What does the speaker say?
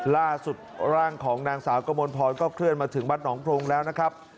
ล่าสุดร่างของนางสาวกมลพรก็เคลื่อนมาถึงวัดหนองพรงแล้วนะครับ